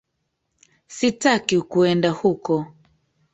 Sitaki kuenda huko